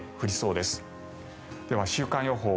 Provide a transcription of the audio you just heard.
では、週間予報。